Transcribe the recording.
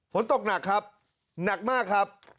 ฝนตกหนักครับหนักมากครับ